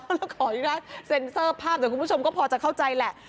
แล้วขออนุญาตเซ็นเซอร์ภาพเดี๋ยวคุณผู้ชมก็พอจะเข้าใจแหละ